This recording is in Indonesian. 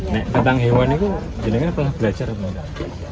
nek tentang hewan itu jenengan pernah belajar apa mbak